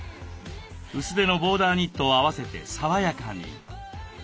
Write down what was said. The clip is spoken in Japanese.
薄手のボーダーニットを合わせて爽やかに。